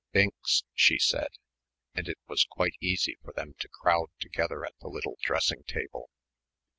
"Binks," she said, and it was quite easy for them to crowd together at the little dressing table.